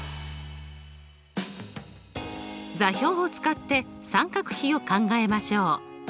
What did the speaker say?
座標を使って三角比を考えましょう。